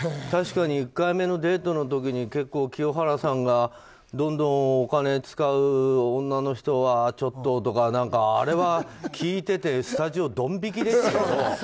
確かに、１回目のデートの時に結構、清原さんがどんどんお金を使う女の人はちょっととかあれは、聞いててスタジオドン引きでしたよ。